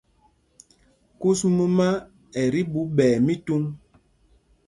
Kus mumá ɛ tí ɓuu ɓɛɛ mítuŋ.